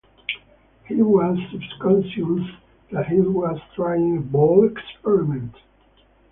He was subconscious that he was trying a bold experiment.